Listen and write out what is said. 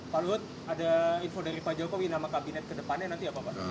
pak luhut ada info dari pak jokowi nama kabinet ke depannya nanti apa pak